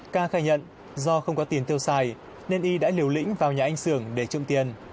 ca khai nhận do không có tiền tiêu xài nên y đã liều lĩnh vào nhà anh sưởng để trộm tiền